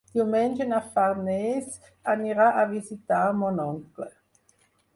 Diumenge na Farners anirà a visitar mon oncle.